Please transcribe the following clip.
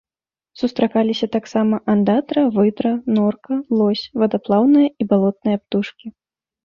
Сустракаліся таксама андатра, выдра, норка, лось, вадаплаўныя і балотныя птушкі.